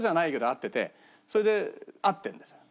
それで会ってるんだよ。